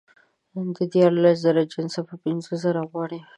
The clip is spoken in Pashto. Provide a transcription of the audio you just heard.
د دیارلس زره جنس په پینځه زره غواړي